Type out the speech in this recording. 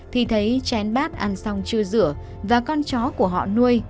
thì thấy chén bát ăn xong chưa rửa và con chó của họ nuôi